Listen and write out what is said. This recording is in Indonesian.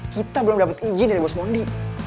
kita belum dapat izin dari bos mondi